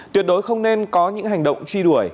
tuyệt đối không nên có những hành động truy đuổi